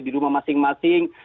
di rumah masing masing